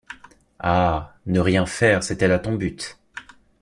Ah! ne rien faire, c’était là ton but.